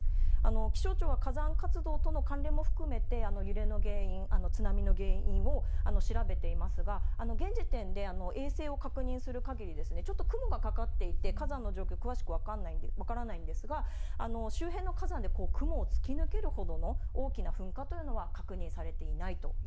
気象庁は火山活動との関連も含めて、揺れの原因、津波の原因を調べていますが、現時点で衛星を確認するかぎり、ちょっと雲がかかっていて、火山の状況詳しく分からないんですが、周辺の火山で雲を突き抜けるほどの大きな噴火というのは、確認さ